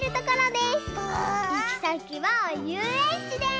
いきさきはゆうえんちです！